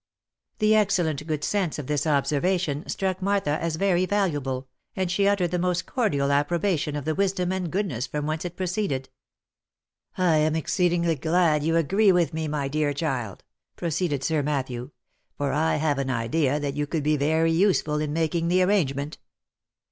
The excellent good sense of this observation struck Martha as very valuable, and she uttered the most cordial approbation of the wisdom and goodness from whence it proceeded. " I am exceedingly glad you agree with me, my dear child," pro ceeded Sir Matthew, " for I have an idea that you could be very useful in making the arrangement.